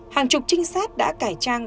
hàng chục trinh sát đã cải trang